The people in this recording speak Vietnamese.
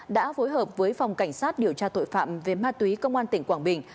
đã phối hợp với phòng cảnh sát điều tra tội phạm về ma túy công an tỉnh quảng bình